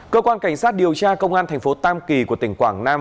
cơ quan cảnh sát điều tra công an thành phố tam kỳ của tỉnh quảng nam